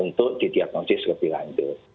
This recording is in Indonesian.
untuk didiagnosis lebih lanjut